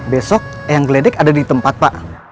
besok eyang gledek ada di tempat pak